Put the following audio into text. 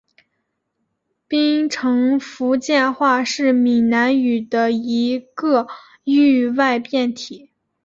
槟城福建话是闽南语的一个域外变体。